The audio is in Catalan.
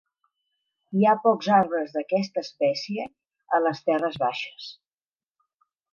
Hi ha pocs arbres d'aquesta espècie a les terres baixes.